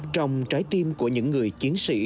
trong trái tim của những người chiến sĩ